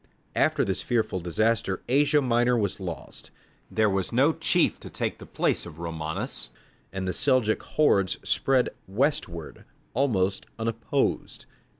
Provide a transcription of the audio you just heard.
After this fearful disaster Asia Minor was lost; there was no chief to take the place of Romanus, and the Seljouk hordes spread westward almost unopposed.